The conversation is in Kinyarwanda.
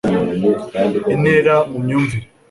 intera mu myumvire